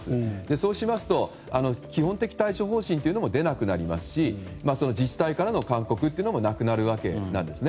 そうしますと基本的対処方針というのも出なくなりますし自治体からの勧告もなくなるわけなんですね。